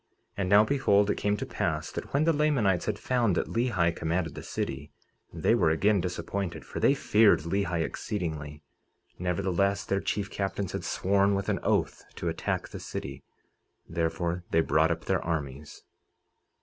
49:17 And now behold it came to pass, that when the Lamanites had found that Lehi commanded the city they were again disappointed, for they feared Lehi exceedingly; nevertheless their chief captains had sworn with an oath to attack the city; therefore, they brought up their armies.